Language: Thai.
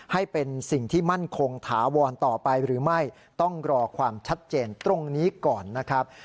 ให้เป็นสิ่งที่มั่นคงถาวรต่อไปหรือไม่ต้องรอความชัดเจนตรงนี้ก่อนนะครับ